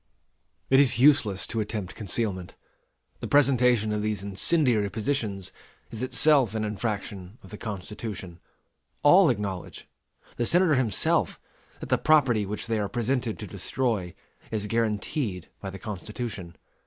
It is useless to attempt concealment. The presentation of these incendiary petitions is itself an infraction of the Constitution. All acknowledge the Senator himself that the property which they are presented to destroy is guaranteed by the Constitution.